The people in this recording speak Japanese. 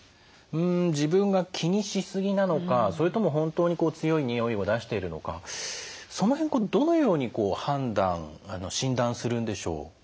自分が気にし過ぎなのかそれとも本当に強いにおいを出しているのかその辺どのように判断診断するんでしょう？